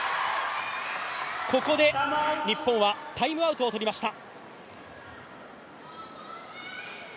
ここで日本はタイムアウトをとりました。